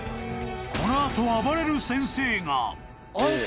［この後あばれる先生が］